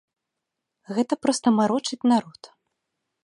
Гэта проста марочаць народ.